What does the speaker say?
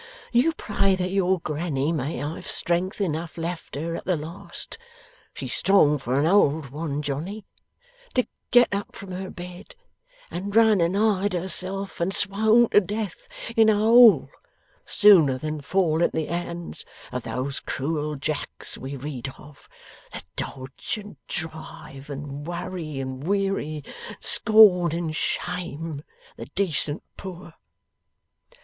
You pray that your Granny may have strength enough left her at the last (she's strong for an old one, Johnny), to get up from her bed and run and hide herself and swown to death in a hole, sooner than fall into the hands of those Cruel Jacks we read of that dodge and drive, and worry and weary, and scorn and shame, the decent poor.